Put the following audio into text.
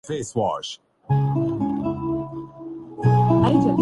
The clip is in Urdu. اسے یہاں پنپنے میں مشکل ہوتی ہے۔